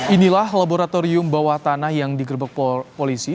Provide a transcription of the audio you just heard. inilah laboratorium bawah tanah yang digerebek polisi